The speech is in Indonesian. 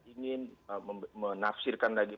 ingin menafsirkan lagi